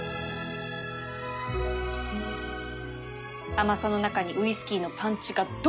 甘さの中にウイスキーのパンチがドーン！